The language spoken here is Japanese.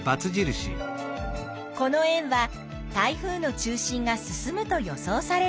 この円は台風の中心が進むと予想されるはん囲。